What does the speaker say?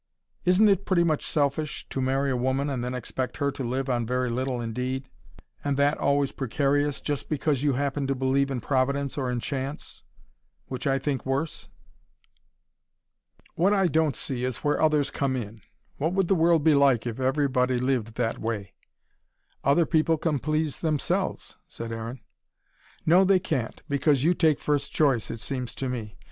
Isn't it pretty selfish, to marry a woman and then expect her to live on very little indeed, and that always precarious, just because you happen to believe in Providence or in Chance: which I think worse? What I don't see is where others come in. What would the world be like if everybody lived that way?" "Other people can please themselves," said Aaron. "No, they can't because you take first choice, it seems to me.